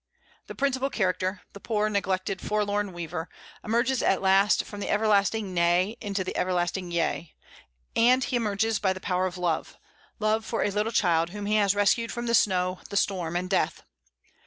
The principal character the poor, neglected, forlorn weaver emerges at length from the Everlasting Nay into the Everlasting Yea; and he emerges by the power of love, love for a little child whom he has rescued from the snow, the storm, and death.